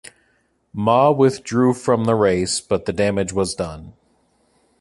Ma withdrew from the race, but the damage was done.